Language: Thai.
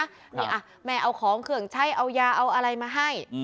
นี่แม่เอาของเครื่องใช้เอายาเอาอะไรมาให้